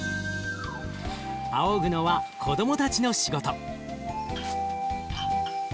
あおぐのは子どもたちの仕事。